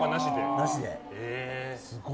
なしで。